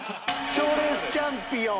賞レースチャンピオン。